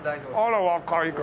あら若い。